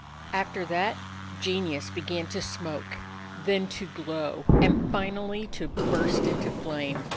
After that genius began to smoke, then to glow, and finally to burst into flame.